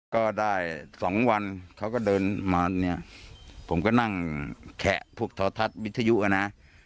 ก็ได้สองวันเขาก็เดินมาเนี่ยผมก็นั่งแขะพวกทอทัศน์วิทยุอ่ะนะ